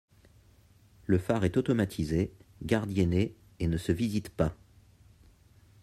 Le phare est automatisé, gardienné et ne se visite pas.